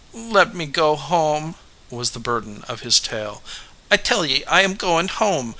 "Let me go home," was the burden of his tale. "I tell ye, I am going home.